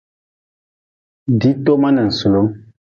Diitoma ninsulm.